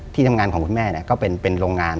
ที่ทำงานของคุณแม่ก็เป็นโรงงาน